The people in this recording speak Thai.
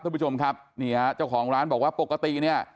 คุณผู้ชมครับนี่ฮะเจ้าของร้านบอกว่าปกติเนี่ย